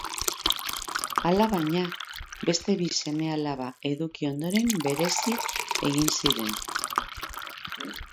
Alabaina, beste bi seme-alaba eduki ondoren bereizi egin ziren.